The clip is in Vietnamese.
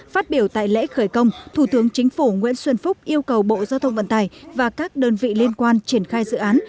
phát biểu tại lễ khởi công thủ tướng chính phủ nguyễn xuân phúc yêu cầu bộ giao thông vận tải và các đơn vị liên quan triển khai dự án